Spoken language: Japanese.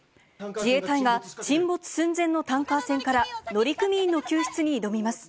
自衛隊が沈没寸前のタンカー船から、乗組員の救出に挑みます。